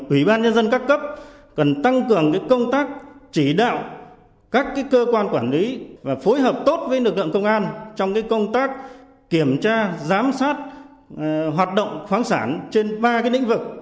ủy ban nhân dân các cấp cần tăng cường công tác chỉ đạo các cơ quan quản lý và phối hợp tốt với lực lượng công an trong công tác kiểm tra giám sát hoạt động khoáng sản trên ba lĩnh vực